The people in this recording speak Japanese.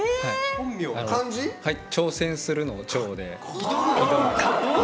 「挑戦する」の「挑」で。